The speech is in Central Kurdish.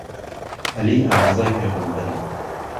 عهلی ئاموزای پێغهمبەره